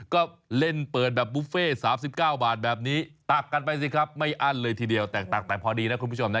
ก็เล่นเปิดแบบบุฟเฟ่๓๙บาทแบบนี้ตักกันไปสิครับไม่อั้นเลยทีเดียวแตกตักแต่พอดีนะคุณผู้ชมนะ